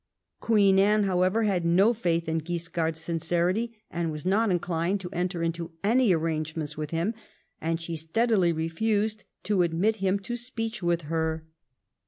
Queen Anne, however, had no faith in Guis card^s sincerity, and was not inclined to enter into any arrangements with him, and she steadily refused to admit him to speech with her.